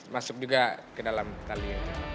masuk juga ke dalam tali